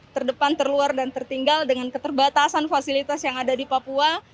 terdepan terluar dan tertinggal dengan keterbatasan fasilitas yang ada di papua